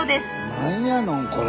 何やのんこれ。